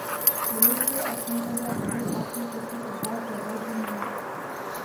Il était à son ouverture la plus petite voie ferrée du monde.